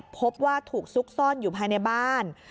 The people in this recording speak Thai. พบว่าถูกซุกซ่อนอยู่ภายในบ้าน